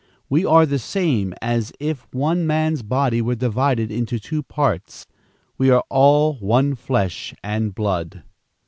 We are the same as if one man's body were divided into two parts. We are all one flesh and blood."